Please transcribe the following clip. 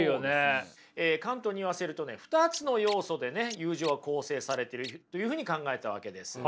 カントに言わせるとね２つの要素で友情は構成されてるというふうに考えたわけです。